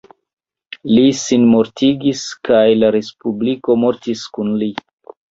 Li sinmortigis kaj la Respubliko mortis kun li.